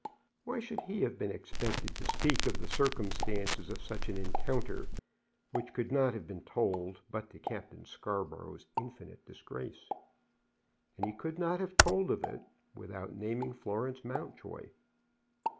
Why should he have been expected to speak of the circumstances of such an encounter, which could not have been told but to Captain Scarborough's infinite disgrace? And he could not have told of it without naming Florence Mountjoy.